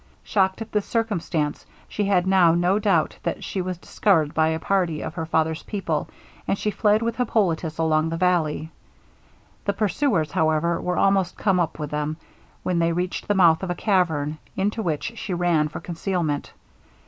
Shocked at this circumstance, she had now no doubt that she was discovered by a party of her father's people, and she fled with Hippolitus along the valley. The pursuers, however, were almost come up with them, when they reached the mouth of a cavern, into which she ran for concealment.